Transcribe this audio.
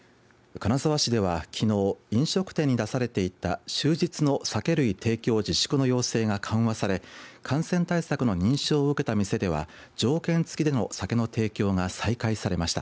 金沢市では、きのう飲食店に出されていた終日の酒類提供自粛の要請が緩和され感染対策の認証を受けた店では条件付きでの酒の提供が再開されました。